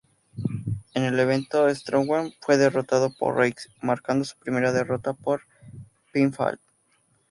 En el evento, Strowman fue derrotado por Reigns, marcando su primera derrota por pinfall.